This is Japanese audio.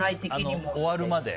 終わるまで？